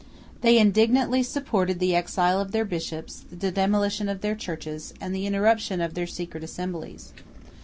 They indignantly supported the exile of their bishops, the demolition of their churches, and the interruption of their secret assemblies.